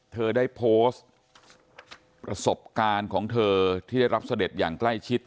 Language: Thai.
เธอได้โพสต์ประสบการณ์ของเธอที่ได้รับเสด็จอย่างใกล้ชิด